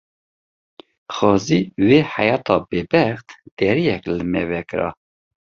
Xwezî vê heyata bêbext deriyek li me vekira.